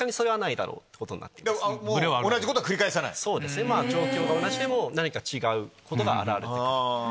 そうですね状況が同じでも何か違うことが現れて来る。